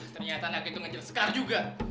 ternyata naki itu ngejar sekar juga